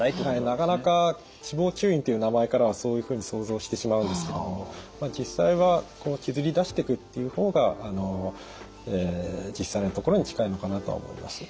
なかなか脂肪吸引という名前からはそういうふうに想像してしまうんですけれどもまあ実際はこう削り出してくっていう方が実際のところに近いのかなとは思います。